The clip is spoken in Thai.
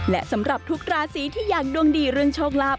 และสำหรับทุกราศีที่อยากดวงดีเรื่องโชคลาภ